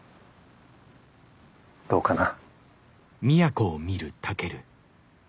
どうかな？